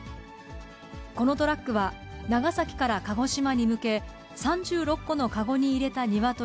このトラックは、長崎から鹿児島に向け、３６個の籠に入れた鶏